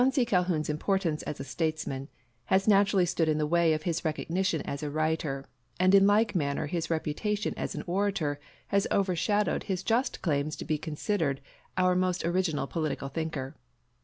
Calhoun's importance as a statesman has naturally stood in the way of his recognition as a writer, and in like manner his reputation as an orator has overshadowed his just claims to be considered our most original political thinker.